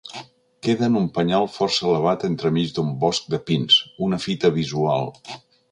Queda en un penyal força elevat entremig d'un bosc de pins, una fita visual.